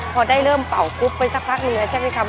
พอได้เริ่มเป่าปุ๊บไปสักพักหนึ่งแล้วใช่ไหมครับ